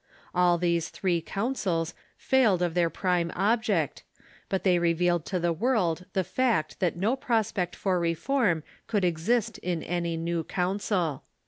All these three councils failed of their prime object, but they revealed to the world the fact that no prospect for reform could exist in any new council.